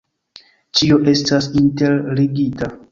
Ĉio estas interligita.